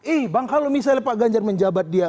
eh bang kalau misalnya pak ganjar menjabat dia